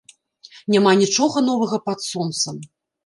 Няма нічога новага пад сонцам.